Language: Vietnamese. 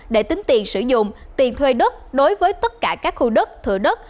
để tính tiền sử dụng tiền thuê đất đối với tất cả các khu đất thừa đất